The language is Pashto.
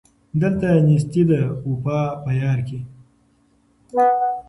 دلته نېستي ده وفا په یار کي